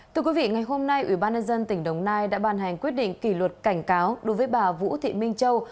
thưa quý vị ngày hôm nay ủy ban nhân dân tỉnh đồng nai đã ban hành quyết định kỷ luật cảnh cáo đối với bà vũ thị minh châu